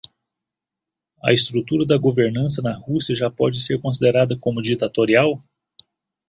A estrutura de governança da Rússia já pode ser considerada como ditatorial?